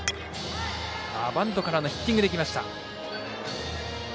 バントからのヒッティングできました。